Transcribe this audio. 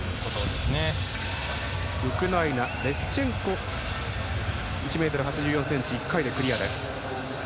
レフチェンコは１ｍ８４ｃｍを１回でクリアです。